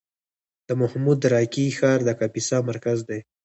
د محمود راقي ښار د کاپیسا مرکز دی